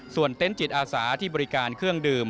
เต็นต์จิตอาสาที่บริการเครื่องดื่ม